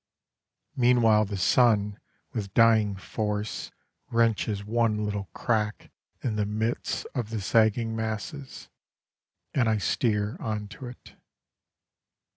Meanwhile the sun With dying force Wrenches one little crack In the midst of the sagging masses, And I steer on to it.